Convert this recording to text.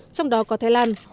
trong đó có thái lan